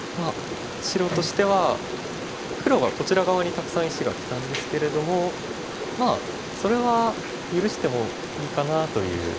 白としては黒がこちら側にたくさん石がきたんですけれどもまあそれは許してもいいかなという。